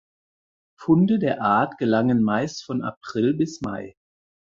Funde der Art gelangen meist von April bis Mai.